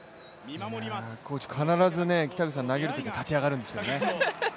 コーチ、必ず北口さんが投げるとき立ち上がるんですよね。